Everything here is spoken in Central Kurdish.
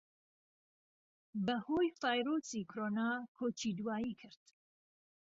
بەھۆی ڤایرۆسی کۆرۆنا کۆچی دواییی کرد